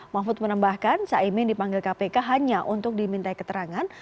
mahfud menambahkan caimin dipanggil kpk hanya untuk diminta keterangan